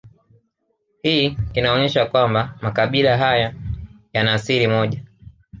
Hii inaonesha kwamba makabila haya yana asili moja